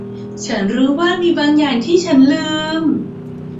ฉันรู้ว่ามีบางอย่างที่ฉันลืม